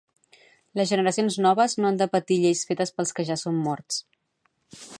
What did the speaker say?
Les generacions noves no han de patir lleis fetes pels que ja són morts